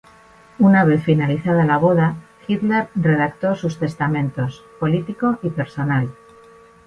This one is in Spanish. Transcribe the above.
Una vez finalizada la boda, Hitler redactó sus testamentos: político y personal.